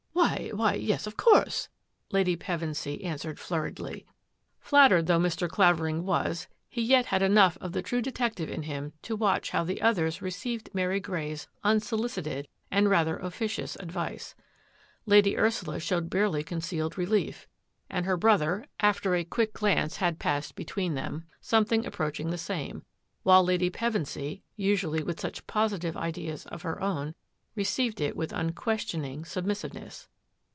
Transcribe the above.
" Why — why yes, of course," Lady Pevensy answered flurriedly. 20 THAT AFFAIR AT THE MANOR Flattered though Mr. Claverlng was, he yet enough of the true detective in him to watch the others received Mary Grey's unsolicited rather officious advice. Lady Ursula sh< barely concealed relief, and her brother, aft quick glance had flashed between them, somet approaching the same, while Lady Pevensy, ally with such positive ideas of her own, rea it with unquestioning submissiveness.